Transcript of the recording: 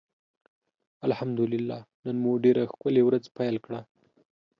الحمدالله نن مو ډيره ښکلي ورځ پېل کړه.